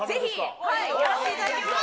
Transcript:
ぜひ。やらせていただきます。